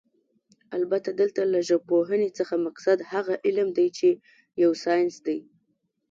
البته دلته له ژبپوهنې څخه مقصد هغه علم دی چې يو ساينس دی